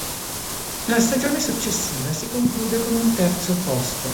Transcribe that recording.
La stagione successiva si conclude con un terzo posto.